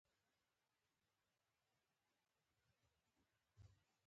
شتمن د وړتیاوو له امله شتمن ګڼل کېږي.